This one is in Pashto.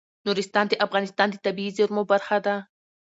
نورستان د افغانستان د طبیعي زیرمو برخه ده.